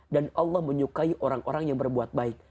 dan allah menyukai orang orang yang berbuat baik